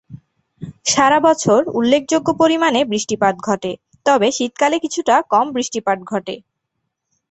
সারা বছর উল্লেখযোগ্য পরিমাণে বৃষ্টিপাত ঘটে, তবে শীতকালে কিছুটা কম বৃষ্টিপাত ঘটে।